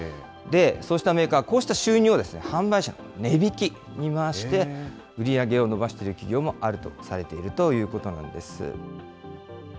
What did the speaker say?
そうしたメーカー、こうした収入を販売車の値引きに回して売り上げを伸ばしている企業もあるとされているということなんです。